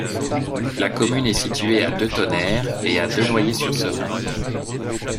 La commune est située à de Tonnerre et à de Noyers-sur-Serein.